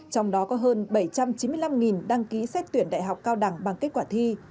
trong đó có hơn bảy trăm chín mươi năm đăng ký xét tuyển đại học cao đẳng bằng kết quả thi